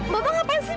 bapak ngapain sih